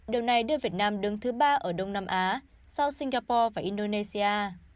điều này đưa việt nam đứng thứ ba ở đông nam á sau singapore và indonesia